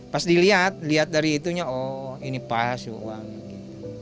pas dilihat lihat dari itunya oh ini palsu uangnya